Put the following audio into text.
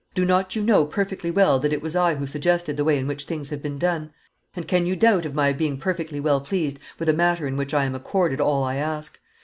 Do not you know perfectly well that it was I who suggested the way in which things have been done? And can you doubt of my being perfectly well pleased with a matter in which I am accorded all I ask?